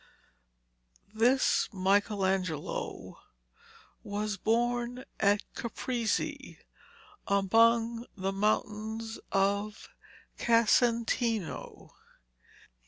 This Michelangelo was born at Caprese among the mountains of Casentino.